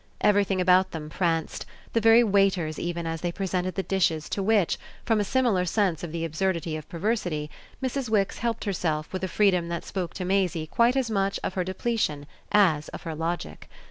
Everything about them pranced: the very waiters even as they presented the dishes to which, from a similar sense of the absurdity of perversity, Mrs. Wix helped herself with a freedom that spoke to Maisie quite as much of her depletion as of her logic.